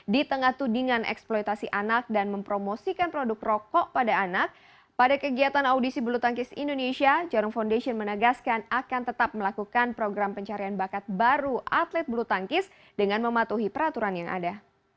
di tengah tudingan eksploitasi anak dan mempromosikan produk rokok pada anak pada kegiatan audisi bulu tangkis indonesia jarum foundation menegaskan akan tetap melakukan program pencarian bakat baru atlet bulu tangkis dengan mematuhi peraturan yang ada